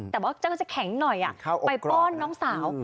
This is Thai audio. แต่ว่าเจ้าก็จะแข็งหน่อยไปป้อนน้องสาว